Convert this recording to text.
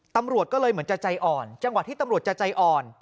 ตำรวจก็เลยเหมือนจะใจอ่อนจังหวะที่ตำรวจจะใจอ่อน